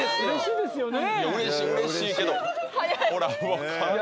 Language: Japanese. いやうれしいうれしいけど早い！